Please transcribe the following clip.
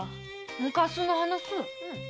昔の話？